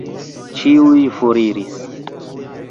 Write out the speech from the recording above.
Ĉiuj foriris.